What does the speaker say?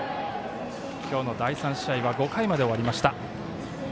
今日の第３試合は５回まで終わりました。